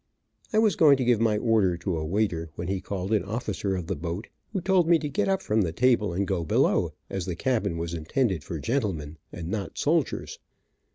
I was going to give my order to a waiter, when he called an officer of the boat, who told me to get up from the table and go below, as the cabin was intended for gentlemen and not soldiers.